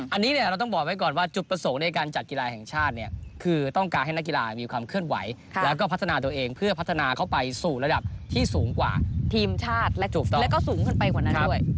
อันนี้เนี่ยเราต้องบอกไว้ก่อนว่าจุดประสงค์ในการจัดกีฬาแห่งชาติเนี่ยคือต้องการให้นักกีฬามีความเคลื่อนไหวแล้วก็พัฒนาตัวเองเพื่อพัฒนาเข้าไปสู่ระดับที่สูงกว่าทีมชาติและก็สูงขึ้นไปกว่านั้นด้วย